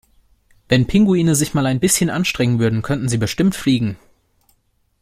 Wenn Pinguine sich mal ein bisschen anstrengen würden, könnten sie bestimmt fliegen!